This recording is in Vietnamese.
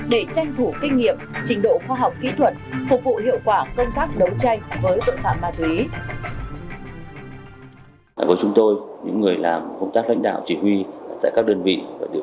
để tranh thủ kinh nghiệm trình độ khoa học kỹ thuật phục vụ hiệu quả công tác đấu tranh với tội phạm ma túy